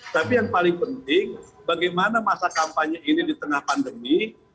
tapi yang paling penting bagaimana masa kampanye ini di tengah pandemi